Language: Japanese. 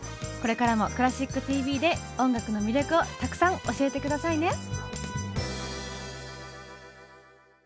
これからも「クラシックＴＶ」で音楽の魅力をたくさん教えて下さいね！